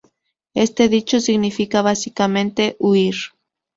Este dicho significa básicamente "huir".